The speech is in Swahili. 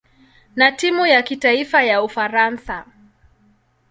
na timu ya kitaifa ya Ufaransa.